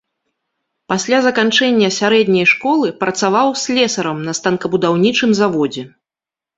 Пасля заканчэння сярэдняй школы працаваў слесарам на станкабудаўнічым заводзе.